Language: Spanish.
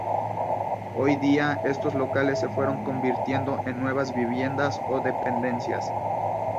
Hoy día estos locales se fueron convirtiendo en nuevas viviendas o dependencias.